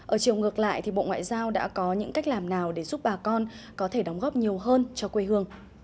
ở chiều ngược lại thì bộ ngoại giao đã có những cách làm nào để giúp bà con có thể đóng góp nhiều hơn cho quê hương